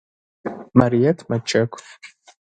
Марыет мэджэгу.